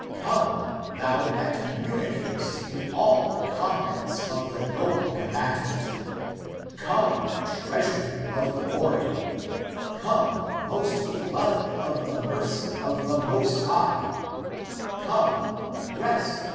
ACTS OF THOMAS 269 Come, thou that communicatest in all the combats of the noble combatant ; <Come, treasury of glory ;> <Come, most Beloved of the mercy of the Most High;> Come, rest.